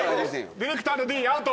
ディレクターの「Ｄ」アウト。